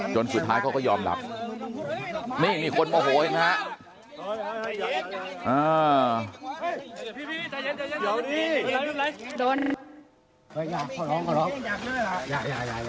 จนสุดท้ายเขาก็ยอมหลับนี่มีคนโมโหเองฮะ